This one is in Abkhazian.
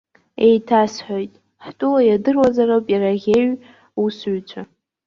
Еиҭасҳәоит, ҳтәыла иадыруазароуп иара аӷьеиҩ-усуцәа.